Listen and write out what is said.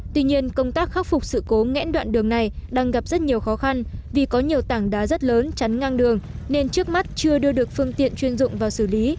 tuy nhiên công tác khắc phục sự cố ngẽn đoạn đường này đang gặp rất nhiều khó khăn vì có nhiều tảng đá rất lớn chắn ngang đường nên trước mắt chưa đưa được phương tiện chuyên dụng vào xử lý